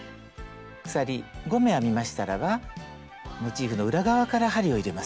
鎖５目編みましたらばモチーフの裏側から針を入れます。